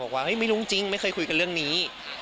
ว่าไม่รู้จริงไม่เคยคุยกันเรื่องนี้